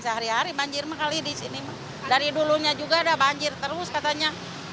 sehari hari banjir mah kali di sini dari dulunya juga ada banjir terus katanya